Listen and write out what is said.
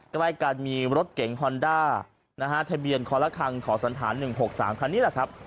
ใกล้กันมีรถเก๋งฮอนด้านะฮะทะเบียนคอละครังขอสันฐาน๑๖๓คันนี้แหละครับ